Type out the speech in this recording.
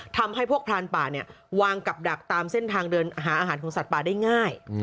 ทำให้พวกพรานป่าเนี่ยวางกับดักตามเส้นทางเดินหาอาหารของสัตว์ป่าได้ง่าย